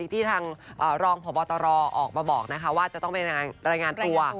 ที่ทางรองพบตรออกมาบอกว่าจะต้องไปรายงานตัว